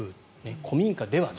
古民家ではない。